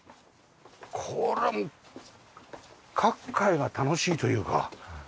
これもう各階が楽しいというか。